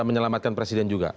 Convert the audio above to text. menyelamatkan presiden juga